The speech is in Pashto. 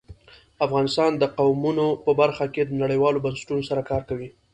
افغانستان د قومونه په برخه کې نړیوالو بنسټونو سره کار کوي.